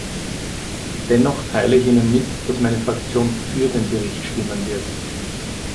Dennoch teile ich Ihnen mit, dass meine Fraktion für den Bericht stimmen wird.